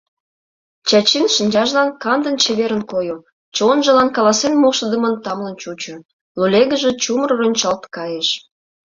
Чачин шинчажлан кандын-чеверын койо, чонжылан каласен моштыдымын тамлын чучо, лулегыже чумыр рончалт кайыш...